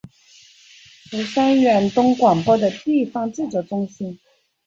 釜山远东广播的地方制作中心。